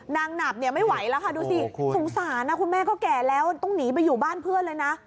หนักเนี่ยไม่ไหวแล้วค่ะดูสิสงสารนะคุณแม่ก็แก่แล้วต้องหนีไปอยู่บ้านเพื่อนเลยนะ